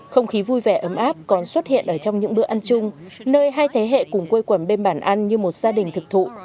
không khí vui vẻ ấm áp còn xuất hiện ở trong những bữa ăn chung nơi hai thế hệ cùng quây quẩm bên bàn ăn như một gia đình thực thụ